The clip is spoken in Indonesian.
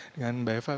dengan mbak eva